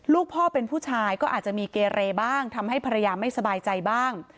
ลูกพ่อเป็นผู้ชายก็อาจจะมีเกเรบ้างทำให้ภรรยาไม่สบายใจบ้าง